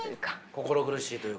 心苦しいというか。